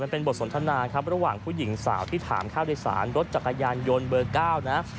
ก็มีความสนทนาระหว่างผู้หญิงสาวที่ถามข้าวดิสารรถจักรยานยนต์เบอร์๙นะ